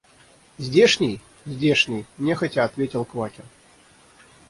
Здешний? – Здешний, – нехотя ответил Квакин.